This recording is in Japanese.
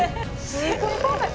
すごい！